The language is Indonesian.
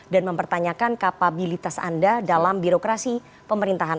dan mempertanyakan kapabilitas anda dalam birokrasi pemerintahan